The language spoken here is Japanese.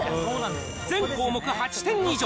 全項目８点以上。